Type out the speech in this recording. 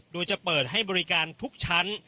โดยจะเปิดให้บริการทุกชั้น